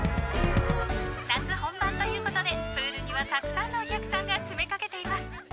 夏本番ということでプールにはたくさんのお客さんが詰めかけています。